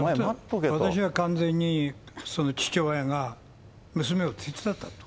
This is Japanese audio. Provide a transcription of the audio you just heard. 私は完全に、その父親が娘を手伝ったと。